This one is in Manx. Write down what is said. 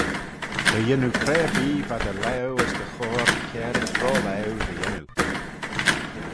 Dy yannoo cre-erbee va dty laue as dty choyrle kiarit ro-laue dy yannoo.